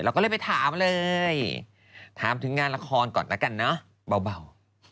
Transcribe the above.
ก็เลยไปถามเลยถามถึงงานละครก่อนแล้วกันเนอะเบา